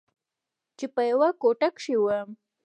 چې په يوه کوټه کښې وم.